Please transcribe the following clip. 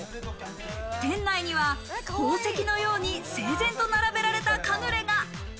店内には宝石のように整然と並べられたカヌレが。